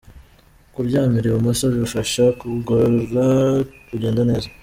Kuryamira ibumoso bifasha igogora kugenda neza.